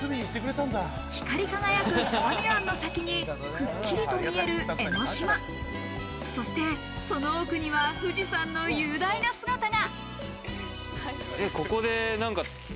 光り輝く相模湾の先にくっきりと見える江ノ島、そして、その奥には富士山の雄大な姿が。